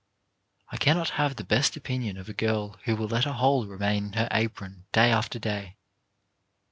I cannot have the best opinion of a girl who will let a hole remain in her apron day after day.